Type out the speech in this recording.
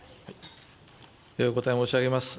お答え申し上げます。